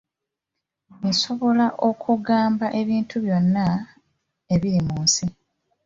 Nsobola okukugamba ebintu byonna ebiri mu nsi.